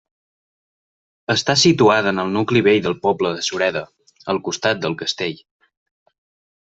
Està situada en el nucli vell del poble de Sureda, al costat del castell.